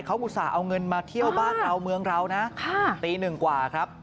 เขาอุตส่าห์เอาเงินมาเที่ยวบ้านเราเมืองเรานะตีหนึ่งกว่าครับ